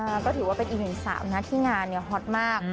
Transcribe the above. ก็ถือว่าเป็นอีกหนึ่งสาวนะที่งานเนี่ยฮอตมาก